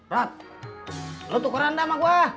rod lo tukeran dah sama gue